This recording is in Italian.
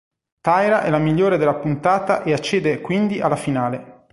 Tyra è la migliore della puntata e accede quindi alla finale.